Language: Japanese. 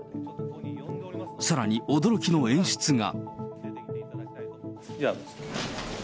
さらに驚きの演出が。